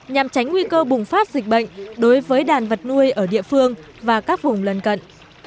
nhằm tránh nguy cơ bùng phát dịch bệnh đối với đàn vật nuôi ở địa phương và các vùng lân cận